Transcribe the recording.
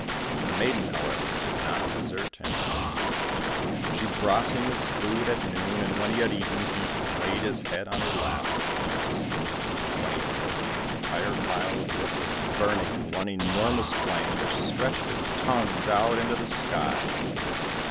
The maiden, however, did not desert him in his need. She brought him his food at noon, and when he had eaten, he laid his head on her lap, and went to sleep. When he awoke, the entire pile of wood was burning in one enormous flame, which stretched its tongues out into the sky.